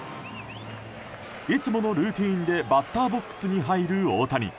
いつものルーティンでバッターボックスに入る大谷。